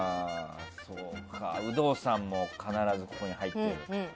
有働さんも必ずここに入ってくる。